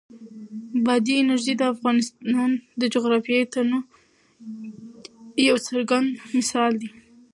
بادي انرژي د افغانستان د جغرافیوي تنوع یو څرګند مثال دی.